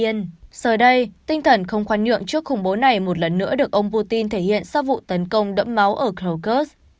giờ đây tinh thần không khoan nhượng trước khủng bố này một lần nữa được ông putin thể hiện sau vụ tấn công đẫm máu ở krokus